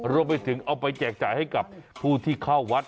รวมไปถึงเอาไปแจกจ่ายให้กับผู้ที่เข้าวัด